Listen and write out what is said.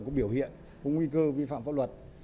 có biểu hiện có nguy cơ vi phạm pháp luật